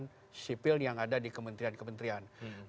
masyarakat sipil yang ada di kementerian kementerian